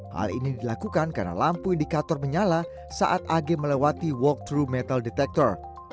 hal ini dilakukan karena lampu indikator menyala saat ag melewati walktro metal detector